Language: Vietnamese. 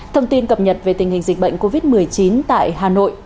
thông tin cập nhật về tình hình dịch bệnh covid một mươi chín tại hà nội